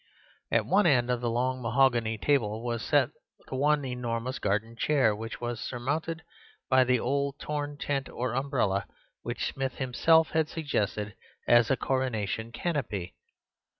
At one end of the long mahogany table was set the one enormous garden chair, which was surmounted by the old torn tent or umbrella which Smith himself had suggested as a coronation canopy.